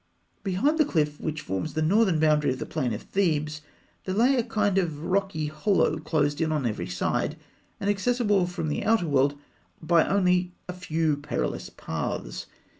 Behind the cliff which forms the northern boundary of the plain of Thebes, there lay a kind of rocky hollow closed in on every side, and accessible from the outer world by only a few perilous paths.